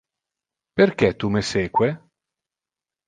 Perque tu me seque?